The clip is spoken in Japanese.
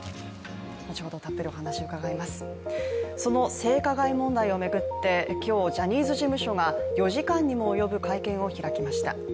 その性加害問題を巡って今日ジャニーズ事務所が４時間にも及ぶ会見を開きました。